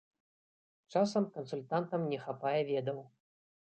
Часам кансультантам не хапае ведаў.